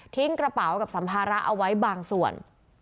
กระเป๋ากับสัมภาระเอาไว้บางส่วน